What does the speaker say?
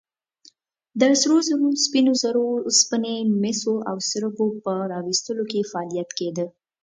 د سرو زرو، سپینو زرو، اوسپنې، مسو او سربو په راویستلو کې فعالیت کېده.